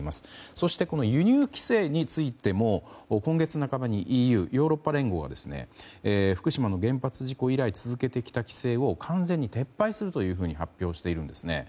そして、この輸入規制についても今月半ばにＥＵ・ヨーロッパ連合は福島の原発事故以来続けてきた規制を完全に撤廃するというふうに発表しているんですね。